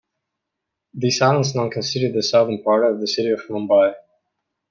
These islands now constitute the southern part of the city of Mumbai.